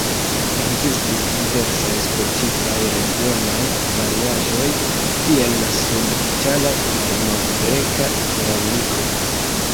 Ekzistis diversaj specifaj regionaj variaĵoj, kiel la sud-itala malnov-greka ceramiko.